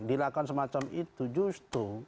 dilakukan semacam itu justru